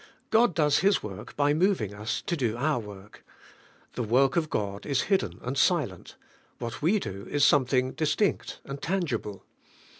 God does His work by moving us to do our work. The work of God is hidden and silent; what we do is something distinct and tangible.